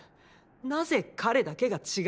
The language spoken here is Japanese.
なぜ彼だけが違うんです？